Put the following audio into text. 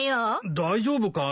大丈夫かい？